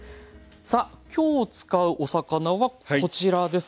さあ今日使うお魚はこちらですね。